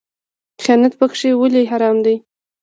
خیانت پکې ولې حرام دی؟